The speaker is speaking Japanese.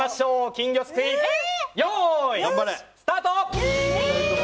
金魚すくい用意、スタート！